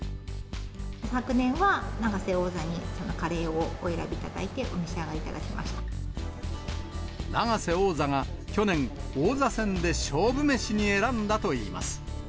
昨年は永瀬王座にカレーをお選びいただいて、お召し上がりい永瀬王座が去年、王座戦で勝負メシに選んだといいます。